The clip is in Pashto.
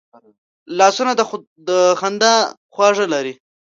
لاسونه د خندا خواږه لري